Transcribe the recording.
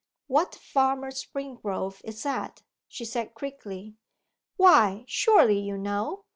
'What Farmer Springrove is that?' she said quickly. 'Why, surely you know?